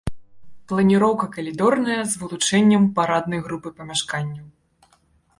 Планіроўка калідорная з вылучэннем параднай групы памяшканняў.